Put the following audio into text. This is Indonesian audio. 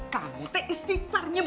kamu tuh istri parahnya